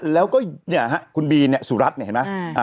แล้วก็คุณบีเนี่ยสุรัสนะเห็นไหม